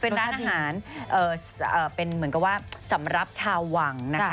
เป็นร้านอาหารเป็นเหมือนกับว่าสำหรับชาวหวังนะคะ